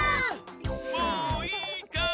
もういいかい？